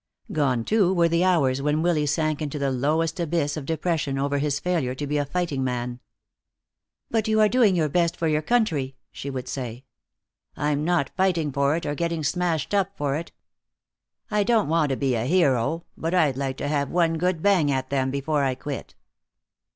Gone, too, were the hours when Willy sank into the lowest abyss of depression over his failure to be a fighting man. "But you are doing your best for your country," she would say. "I'm not fighting for it, or getting smashed up for it. I don't want to be a hero, but I'd like to have had one good bang at them before I quit."